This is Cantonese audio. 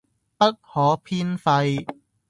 不可偏廢